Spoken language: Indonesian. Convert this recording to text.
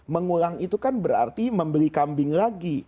mengulang itu kan berarti membeli kambing lagi